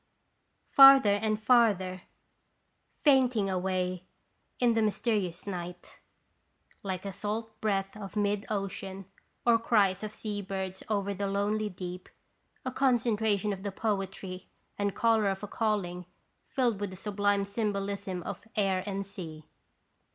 Farther and farther, fainting away in the 01 (Stations bisitation. 203 mysterious night, like a salt breath of mid ocean, or cries of sea birds over the lonely deep, a concentration of the poetry and color of a calling filled with the sublime symbolism of air and sea.